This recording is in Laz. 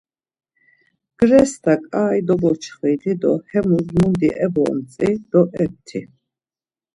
Grest̆a ǩai doboçxvini do hemus mundi ebontzi do epti.